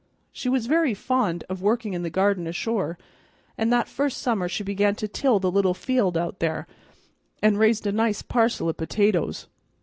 She was very fond of workin' in the garden ashore, and that first summer she began to till the little field out there, and raised a nice parcel o' potatoes.